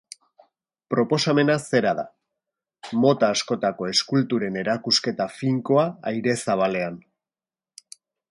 Proposamena zera da: mota askotako eskulturen erakusketa finkoa aire zabalean.